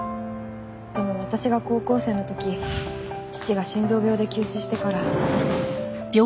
でも私が高校生の時父が心臓病で急死してから。